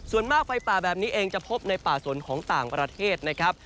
ส่วนมากไฟป่าแบบนี้เองจะพบในป่าสนของต่างประเทศนะครับ